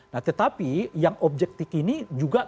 nah tetapi yang objektif ini juga tentu tidak semuanya gitu ya